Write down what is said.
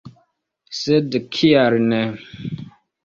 Sed kial ne?